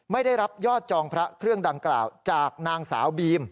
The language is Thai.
ไม่ได้รับยอดจองพระเครื่องดังกล่าวจากนางสาวบีม